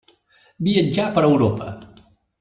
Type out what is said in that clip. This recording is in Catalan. Viatjà per Europa.